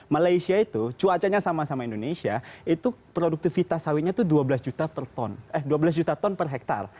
malaysia itu cuacanya sama sama indonesia itu produktivitas sawitnya itu dua belas juta ton per hektare